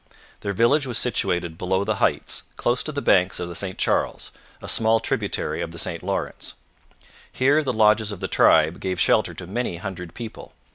Their village was situated below the heights, close to the banks of the St Charles, a small tributary of the St Lawrence. Here the lodges of the tribe gave shelter to many hundred people.